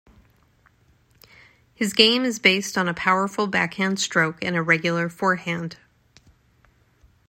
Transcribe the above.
His game is based on a powerful backhand stroke and a regular forehand.